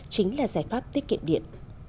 chính là giải pháp tiết kiệm điện